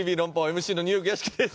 ＭＣのニューヨーク屋敷です。